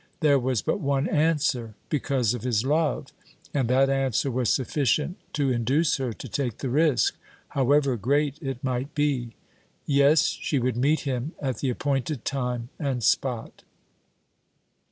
There was but one answer because of his love and that answer was sufficient to induce her to take the risk, however great it might be. Yes, she would meet him at the appointed time and spot.